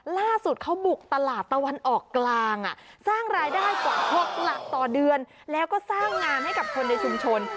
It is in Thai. ล่าสุดเขาบุกตลาดตะวันออกกลางสร้างรายได้กว่า๖หลักต่อเดือนแล้วก็สร้างงานให้กับคนในชุมชน